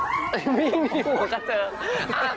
อันที่นี่หัวกระเจิง